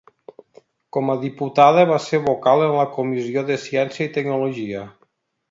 Com a diputada va ser vocal en la comissió de Ciència i Tecnologia.